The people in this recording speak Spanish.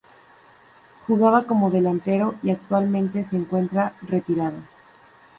Jugaba como delantero y actualmente se encuentra retirado.